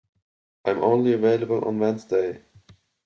I am only available on Wednesday.